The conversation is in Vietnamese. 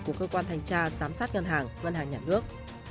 của cơ quan thanh tra giám sát ngân hàng ngân hàng nhà nước